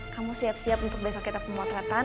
kamu siap siap untuk besok kita pemotretan